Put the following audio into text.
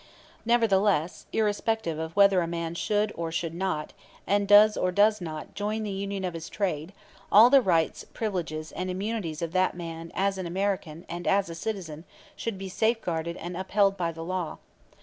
Nevertheless, irrespective of whether a man should or should not, and does or does not, join the union of his trade, all the rights, privileges and immunities of that man as an American and as a citizen should be safeguarded and upheld by the law.